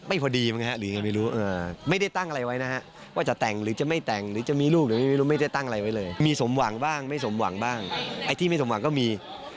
ไอนี่ที่ไม่ถึงหวังก็มี